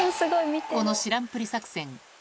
この知らんぷり作戦